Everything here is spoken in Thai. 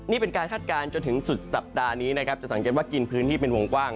นี่เป็นการคาดการณ์จนถึงสุดสัปดาห์นี้นะครับจะสังเกตว่ากินพื้นที่เป็นวงกว้าง